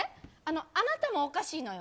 あなたもおかしいのよ。